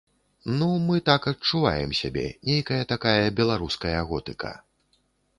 Ну, мы так адчуваем сябе, нейкая такая беларуская готыка.